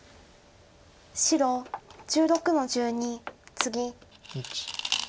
白１６の十二ツギ。